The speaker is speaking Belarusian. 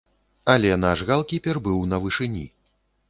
Але наш галкіпер быў на вышыні.